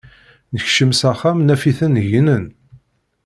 Nekcem s axxam, naf-iten gnen.